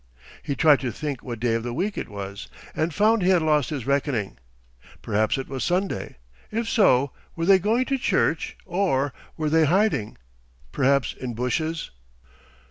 He tried to think what day of the week it was, and found he had lost his reckoning. Perhaps it was Sunday. If so, were they going to church or, were they hiding, perhaps in bushes?